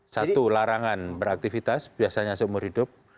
satu larangan beraktivitas biasanya seumur hidup